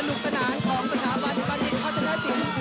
สนานของสถาบันบัณฑิตพัฒนศิลป์